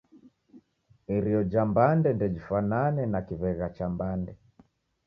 Irio ja mbande ndejifwanane na kiw'egha cha mbande.